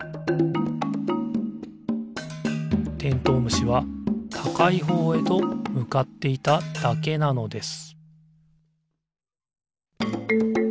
虫はたかいほうへとむかっていただけなのです